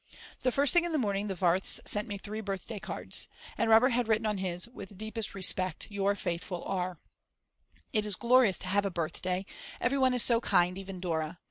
The first thing in the morning the Warths sent me three birthday cards. And Robert had written on his: With deepest respect your faithful R. It is glorious to have a birthday, everyone is so kind, even Dora.